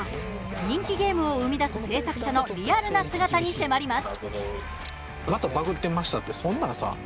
人気ゲームを生み出す制作者のリアルな姿に迫ります。